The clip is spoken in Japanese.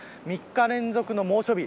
３日連続の猛暑日。